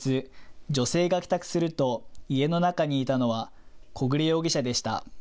女性が帰宅すると家の中にいたのは小暮容疑者でした。